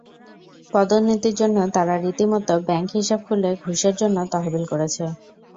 পদোন্নতির জন্য তারা রীতিমতো ব্যাংক হিসাব খুলে ঘুষের জন্য তহবিল করেছে।